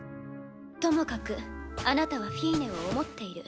ともかくあなたはフィーネを思っている。